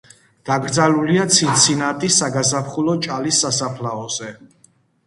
დაკრძალულია ცინცინატის საგაზაფხულო ჭალის სასაფლაოზე.